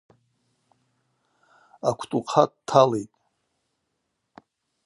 Аквтӏухъа дталитӏ.